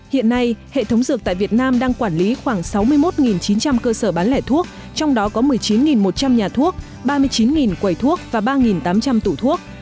hiện nay hệ thống dược tại việt nam đang quản lý khoảng sáu mươi một chín trăm linh cơ sở bán lẻ thuốc trong đó có một mươi chín một trăm linh nhà thuốc ba mươi chín quầy thuốc và ba tám trăm linh tủ thuốc